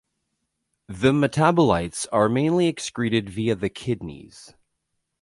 The metabolites are mainly excreted via the kidneys.